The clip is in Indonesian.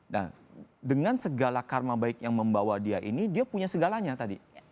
nah dengan segala karma baik yang membawa dia ini dia punya segalanya tadi